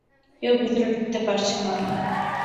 কেউ ভেতরে ঢুকতে পারছে না।